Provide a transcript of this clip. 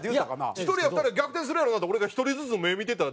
「１人や２人は逆転するやろな」って俺が１人ずつ目見ていったら。